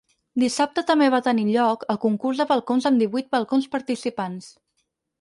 Dissabte també va tenir lloc el concurs de balcons amb divuit balcons participants.